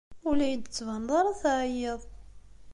Ur la iyi-d-tettbaneḍ ara teɛyiḍ.